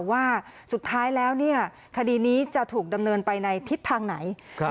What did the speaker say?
ว่าสุดท้ายแล้วเนี่ยคดีนี้จะถูกดำเนินไปในทิศทางไหน